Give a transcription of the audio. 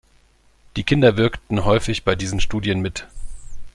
Die Kinder wirkten häufig bei diesen Studien mit.